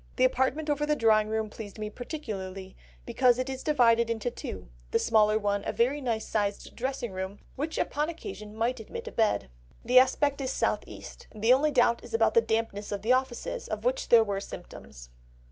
The apartment over the drawing room pleased me particularly, because it is divided into two, the smaller one, a very nice sized dressing room which upon occasion might admit a bed. The aspect is south east. The only doubt is about the dampness of the offices, of which there were symptoms."